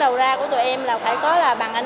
đầu ra của tụi em là phải có là bằng anh